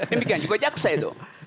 dan juga jaksa itu